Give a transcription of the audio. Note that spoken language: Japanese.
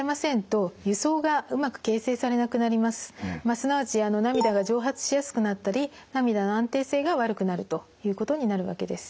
すなわち涙が蒸発しやすくなったり涙の安定性が悪くなるということになるわけです。